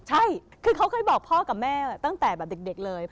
ใช่คือเขาเคยบอกพ่อกับแม่ตั้งแต่แบบเด็กเลย